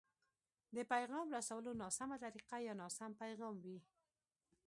د پيغام رسولو ناسمه طريقه يا ناسم پيغام وي.